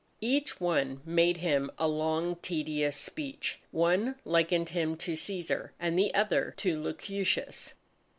Each one made him a long tedious speech; one likened him to Cæsar and the other to Lucullus.